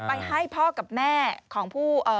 ไปให้พ่อกับแม่ของผู้